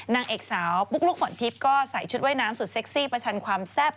นางเอกสาวปุ๊กลุ๊กฝนทิพย์ก็ใส่ชุดว่ายน้ำสุดเซ็กซี่ประชันความแซ่บ